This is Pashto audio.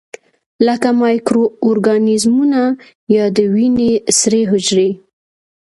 لکه مایکرو ارګانیزمونه یا د وینې سرې حجرې.